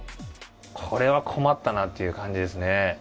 これは困ったなという感じですね。